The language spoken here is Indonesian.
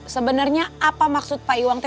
sebenarnya apa maksud pak iwan